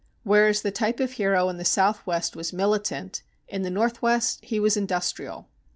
Whereas the type of hero in the Southwest was militant, in the Northwest he was industrial.